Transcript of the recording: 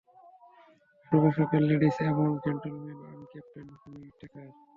শুভ সকাল, লেডিস এবং জেন্টলম্যান, আমি ক্যাপ্টেন হুইটেকার।